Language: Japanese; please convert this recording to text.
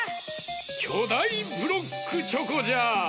きょだいブロックチョコじゃ！